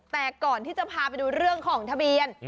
แต่ก่อนที่จะพาไปดูเรื่องของทะเบียน